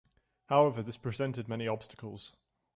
However, this presented many obstacles.